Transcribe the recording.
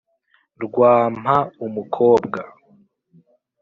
rwa mpa-umukobwa!